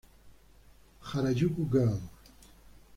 Harajuku Girl".